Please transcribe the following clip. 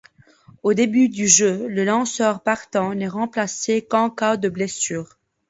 Au début du jeu, le lanceur partant n'est remplacé qu'en cas de blessure.